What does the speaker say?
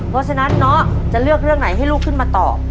เพราะฉะนั้นเนาะจะเลือกเรื่องไหนให้ลูกขึ้นมาตอบ